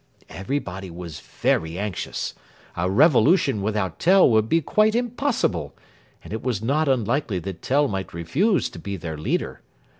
Everybody was very anxious. A revolution without Tell would be quite impossible, and it was not unlikely that Tell might refuse to be their leader.